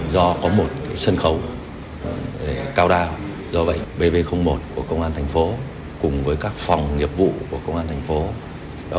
do có một sân khấu cao đa do vậy bv một của công an thành phố cùng với các phòng nghiệp vụ của công an thành phố